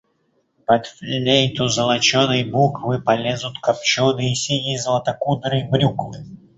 Под флейту золоченой буквы полезут копченые сиги и золотокудрые брюквы.